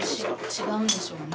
違うんでしょうね